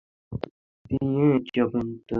কিন্তু মার্কই তোকে বাদ দিয়েছে।